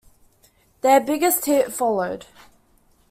Their biggest hit followed.